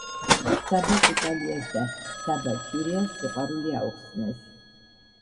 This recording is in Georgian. საბა კუტალიას და საბა ქირიას სიყვარული აუხსნეს